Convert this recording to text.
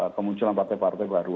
kemunculan partai partai baru